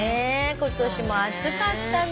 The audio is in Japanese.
今年も暑かったね。